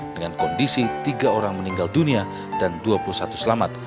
dengan kondisi tiga orang meninggal dunia dan dua puluh satu selamat